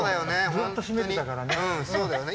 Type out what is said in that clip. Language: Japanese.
ずっと閉めてたからね。